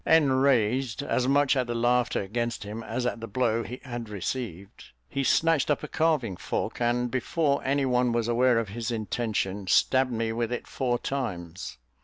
Enraged, as much at the laughter against him as at the blow he had received, he snatched up a carving fork, and, before any one was aware of his intention, stabbed me with it four times.